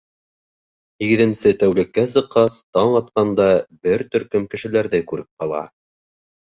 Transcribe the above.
Һигеҙенсе тәүлеккә сыҡҡас, таң атҡанда бер төркөм кешеләрҙе күреп ҡала.